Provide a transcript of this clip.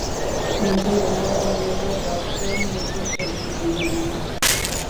مجھے زندہ رہنے کا شوق ہے مجھے شہید نہیں ہونا ہے